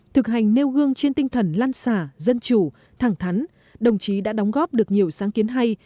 thực hành nêu gương trên tinh thần lan xả dân chủ thẳng thắn đồng chí đã đóng góp được nhiều sáng kiến hay